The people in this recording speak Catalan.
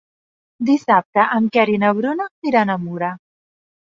Dissabte en Quer i na Bruna iran a Mura.